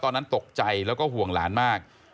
ตอนนั้นตกใจแล้วก็ห่วงหลานมาก